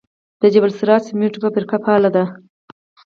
د جبل السراج سمنټو فابریکه فعاله ده؟